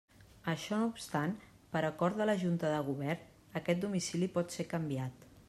Això no obstant, per acord de la Junta de Govern, aquest domicili pot ser canviat.